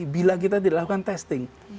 bila kita tidak lakukan testing